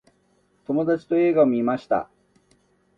友達と映画を観ました。